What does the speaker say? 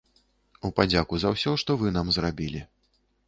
У падзяку за ўсе, што вы нам зрабілі.